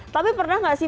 tapi pernah nggak sih